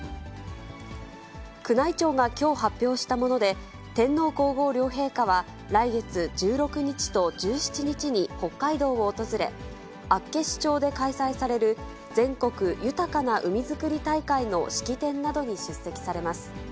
宮内庁がきょう発表したもので、天皇皇后両陛下は来月１６日と１７日に北海道を訪れ、厚岸町で開催される全国豊かな海づくり大会の式典などに出席されます。